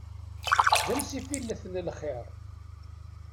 D amsifillet n lxir.